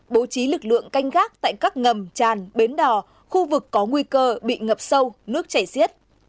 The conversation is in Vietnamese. bố trí lực lượng canh gác tại các ngầm tràn bến đò khu vực có nguy cơ bị ngập sâu nước chảy xiết